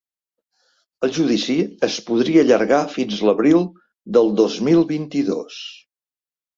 El judici es podria allargar fins l’abril del dos mil vint-i-dos.